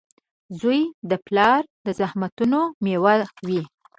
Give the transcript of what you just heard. • زوی د پلار د زحمتونو مېوه وي.